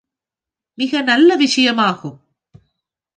மிக நல்ல விஷயம் ஆகும்.